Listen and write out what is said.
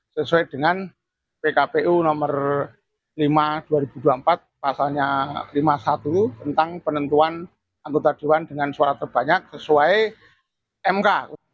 sesuai dengan pkpu nomor lima dua ribu dua puluh empat pasalnya lima puluh satu tentang penentuan anggota dewan dengan suara terbanyak sesuai mk